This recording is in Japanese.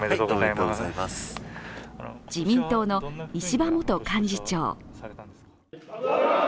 自民党の石破元幹事長。